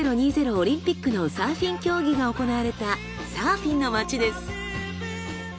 オリンピックのサーフィン競技が行われたサーフィンの町です。